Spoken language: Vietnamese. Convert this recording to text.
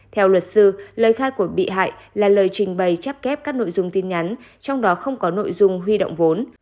theo luật sư lời khai của bị hại là lời trình bày chấp kép các nội dung tin nhắn trong đó không có nội dung huy động vốn